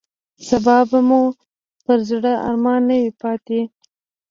سبا به مو پر زړه ارمان نه وي پاتې.